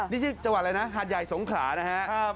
นี่ชื่อจังหวัดอะไรนะหาดใหญ่สงขลานะครับ